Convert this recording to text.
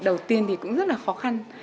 đầu tiên thì cũng rất là khó khăn